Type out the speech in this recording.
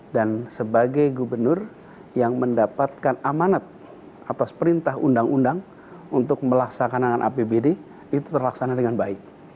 dan sebagai gubernur yang mendapatkan amanat atas perintah undang undang untuk melaksakan dengan apbd itu terlaksana dengan baik